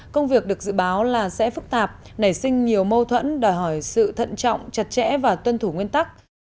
công việc được dự báo là sẽ phức tạp nảy sinh nhiều mâu thuẫn đòi hỏi sự thận trọng chặt chẽ và tuân thủ nguyên tắc